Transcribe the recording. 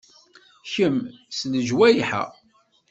Kemm seg lejwayeh-a?